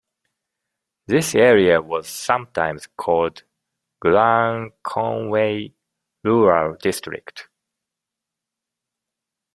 This area was sometimes called Glan Conway Rural District.